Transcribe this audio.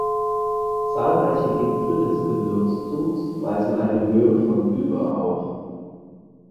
Zahlreiche Gipfel des Gebirgszugs weisen eine Höhe von über auf.